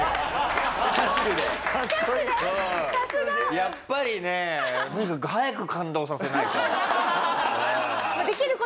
やっぱりねとにかく早く感動させないと。